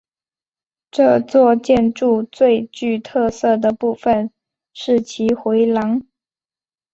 这座建筑最具特色的部分是其回廊。